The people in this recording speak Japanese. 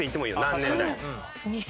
何年代。